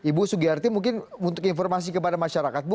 ibu sugiyarti mungkin untuk informasi kepada masyarakat bu